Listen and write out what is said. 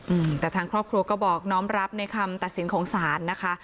อืมแต่ทางครอบครัวก็บอกน้อมรับในคำตัดสินของศาลนะคะ